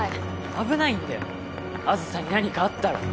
危ないんだよあずさに何かあったら。